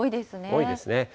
多いですね。